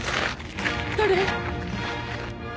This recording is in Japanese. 誰！？